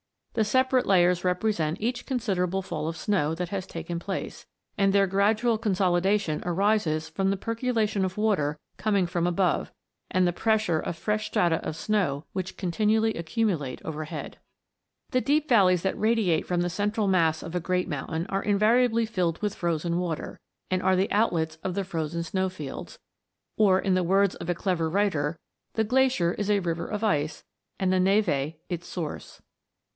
The separate layers repre sent each considerable fall of snow that has taken place, and their gradual consolidation arises from the percolation of water coming from above, and the pressure of fresh strata of snow which continually accumulate overhead. MOVING LANDS. 245 The deep valleys that radiate from the central mass of a great mountain are invariably filled with frozen water, and are the outlets of the frozen snow fields, or in the words of a clever writer, " the glacier is a river of ice, and the neve its source."